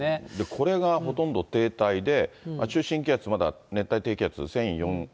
これがほとんど停滞で、中心気圧まだ熱帯低気圧、１００４